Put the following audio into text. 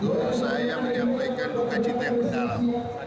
tentu saya menyiapkan duka cinta yang mendalam